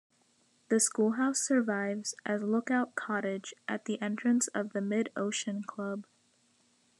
The schoolhouse survives as "Lookout Cottage" at the entrance of the Mid Ocean Club.